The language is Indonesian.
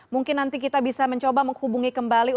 mungkin nanti kita bisa mencoba menghubungi kembali